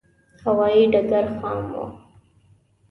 هوایې ډګر خام و.